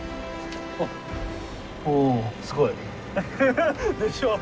おすごい。でしょう？